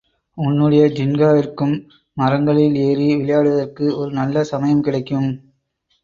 உன்னுடைய ஜின்காவிற்கும் மரங்களில் ஏறி விளையாடுவதற்கு ஒரு நல்ல சமயம் கிடைக்கும்.